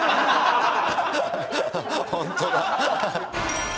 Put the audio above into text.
ホントだ。